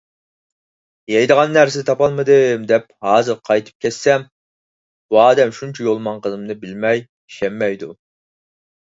يەيدىغان نەرسە تاپالمىدىم، دەپ ھازىر قايتىپ كەتسەم، بۇ ئادەم شۇنچە يول ماڭغىنىمنى بىلمەي ئىشەنمەيدۇ.